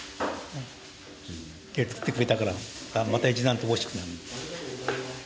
作ってくれたからまた一段とおいしくなる。